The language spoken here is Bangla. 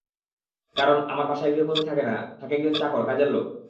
কারণ, আমার বাসায় গৃহকর্মী থাকে না, থাকে একজন চাকর, কাজের লোক।